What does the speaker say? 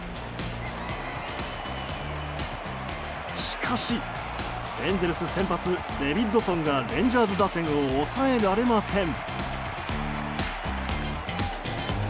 しかし、エンゼルス先発デビッドソンがレンジャーズ打線を抑えられません。